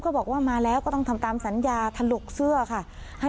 ก็มาแล้วตามสัญญาค่ะ